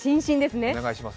お願いします。